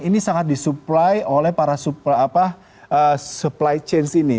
ini sangat disupply oleh para supply chain ini